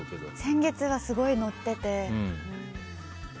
先月は、すごい乗ってて。